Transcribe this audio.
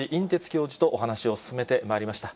教授とお話を進めてまいりました。